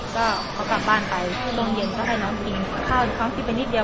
ก็กลับบ้านไปบริเวณดงเย็นก็ให้น้องกินข้าวครั้งนี้แบนดีเดียว